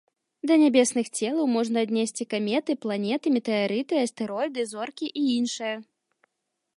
Да нябесных целаў можна аднесці каметы, планеты, метэарыты, астэроіды, зоркі і іншае.